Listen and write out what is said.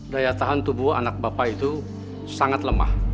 daya tahan tubuh anak bapak itu sangat lemah